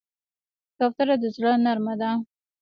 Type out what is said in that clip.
کوتره د زړه نرمه ده.